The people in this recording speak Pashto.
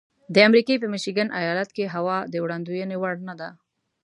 د امریکې په میشیګن ایالت کې هوا د وړاندوینې وړ نه ده.